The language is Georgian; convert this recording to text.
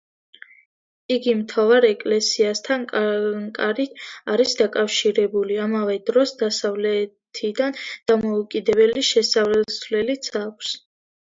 იგი მთავარ ეკლესიასთან კარით არის დაკავშირებული, ამავე დროს დასავლეთიდან დამოუკიდებელი შესასვლელიც აქვს.